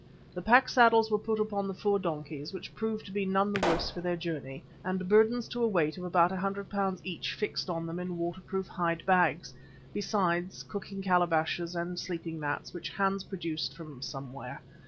The pack saddles were put upon the four donkeys which proved to be none the worse for their journey, and burdens to a weight of about 100 lbs. each fixed on them in waterproof hide bags, besides cooking calabashes and sleeping mats which Hans produced from somewhere.